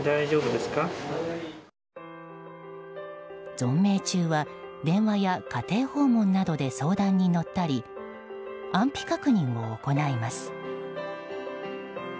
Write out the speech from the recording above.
存命中は電話や家庭訪問などで相談に乗ったり安否確認を行います。